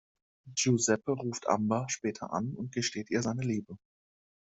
Giuseppe ruft Amber später an und gesteht ihr seine Liebe.